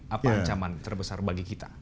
apa ancaman terbesar bagi kita